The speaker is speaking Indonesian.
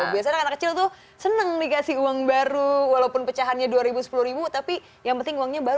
biasanya anak kecil tuh seneng dikasih uang baru walaupun pecahannya dua ribu sepuluh tapi yang penting uangnya baru